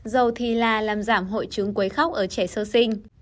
dầu thì là làm giảm hội chứng quấy khóc ở trẻ sơ sinh